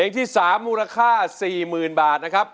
ที่๓มูลค่า๔๐๐๐บาทนะครับ